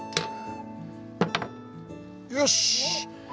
よし！